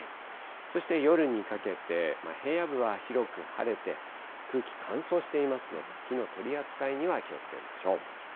そして夜にかけて、平野部は広く晴れて、空気乾燥していますので、火の取り扱いには気をつけましょう。